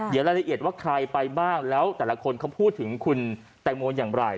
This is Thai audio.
เดี๋ยวรายละเอียดว่าใครไปบ้างแล้วแต่ละคนเขาพูดถึงคุณแตงโมอย่างไร